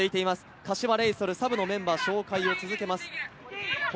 柏レイソル、サブのメンバーの紹介を続けます。